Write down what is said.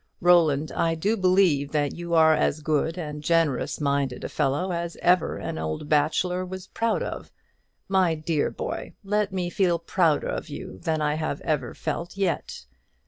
Roland, I do believe that you are as good and generous minded a fellow as ever an old bachelor was proud of. My dear boy, let me feel prouder of you than I have ever felt yet.